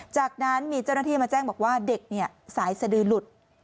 จากนั้นมีเจ้าหน้าที่มาแจ้งบอกว่าเด็กเนี่ยสายสดือหลุด